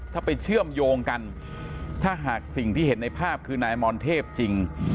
ถ้าไปเชื่อมโยงกันถ้าหากสิ่งที่เห็นในภาพคือนายมรเทพจริง